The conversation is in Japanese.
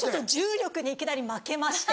重力にいきなり負けまして。